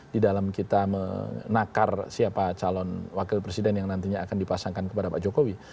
di dalam kita menakar siapa calon wakil presiden yang nantinya akan dipasangkan kepada pak jokowi